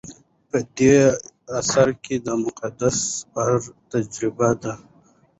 په دې اثر کې د مقدس سفر تجربې دي.